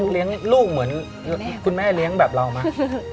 เลี้ยงลูกเหมือนคุณแม่เลี้ยงแบบเรามา